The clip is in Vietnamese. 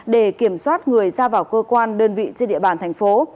để kiểm soát người ra vào cơ quan đơn vị trên địa bàn thành phố